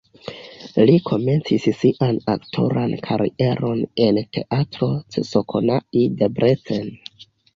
Li komencis sian aktoran karieron en Teatro Csokonai (Debrecen).